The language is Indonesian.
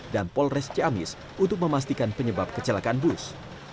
dan polres ciamis untuk memastikan penyebab kecelakaan bus